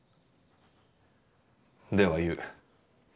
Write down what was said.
「ではいう。